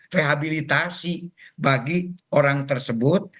rehabilitasi bagi orang tersebut